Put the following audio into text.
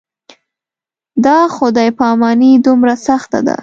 دا خدای پاماني دومره سخته ده.